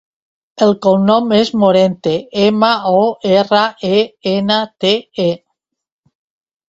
El cognom és Morente: ema, o, erra, e, ena, te, e.